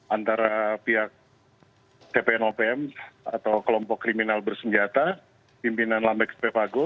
antara pihak tpnopm atau kelompok kriminal bersenjata pimpinan lambeks pepago